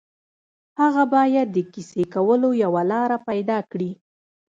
هغه باید د کیسې کولو یوه لاره پيدا کړي